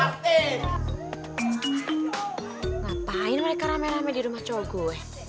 ngapain mereka rame rame di rumah cowok gue